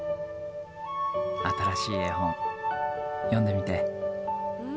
新しい絵本、読んでみて。